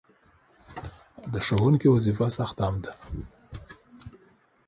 د ښوونکي وظیفه سخته هم ده.